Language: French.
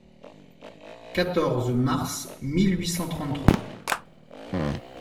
«quatorze mars mille huit cent trente-trois.